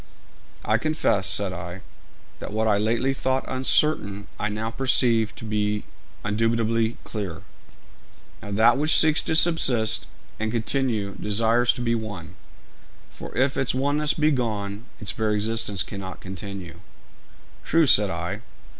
'I confess,' said I, 'that what I lately thought uncertain, I now perceive to be indubitably clear.' 'Now, that which seeks to subsist and continue desires to be one; for if its oneness be gone, its very existence cannot continue.' 'True,' said I.